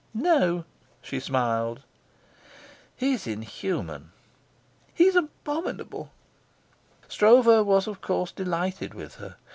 "No," she smiled. "He's inhuman." "He's abominable." Stroeve was, of course, delighted with her.